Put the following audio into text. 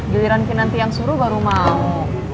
giliran kinanti yang suruh baru mau